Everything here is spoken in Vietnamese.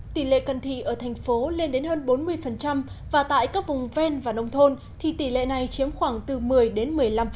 tỷ lệ cận thị ở thành phố lên đến hơn bốn mươi và tại các vùng ven và nông thôn thì tỷ lệ này chiếm khoảng từ một mươi đến một mươi năm